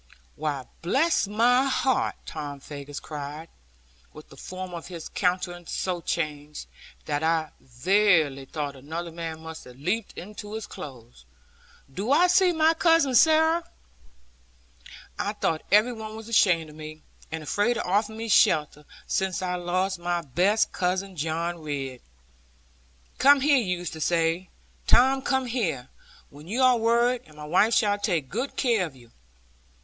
'Why, bless my heart!' Tom Faggus cried, with the form of his countenance so changed, that I verily thought another man must have leaped into his clothes 'do I see my Cousin Sarah? I thought every one was ashamed of me, and afraid to offer me shelter, since I lost my best cousin, John Ridd. 'Come here,' he used to say, 'Tom, come here, when you are worried, and my wife shall take good care of you.'